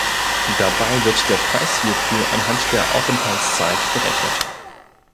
Dabei wird der Preis hierfür anhand der Aufenthaltszeit berechnet.